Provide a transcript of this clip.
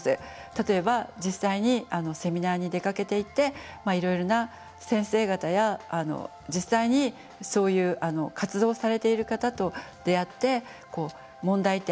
例えば実際にセミナーに出かけていっていろいろな先生方や実際にそういう活動をされている方と出会って問題点